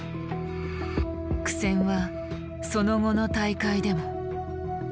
苦戦はその後の大会でも。